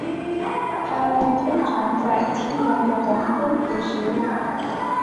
它们通常在清凉的黄昏捕食。